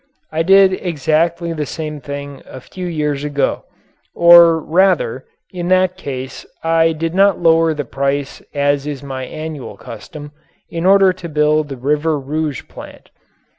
I did exactly the same thing a few years ago or rather, in that case I did not lower the price as is my annual custom, in order to build the River Rouge plant.